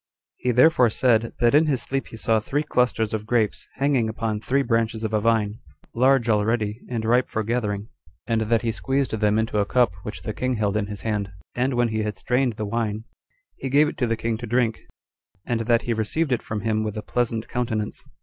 2. He therefore said, that in his sleep he saw three clusters of grapes hanging upon three branches of a vine, large already, and ripe for gathering; and that he squeezed them into a cup which the king held in his hand; and when he had strained the wine, he gave it to the king to drink, and that he received it from him with a pleasant countenance.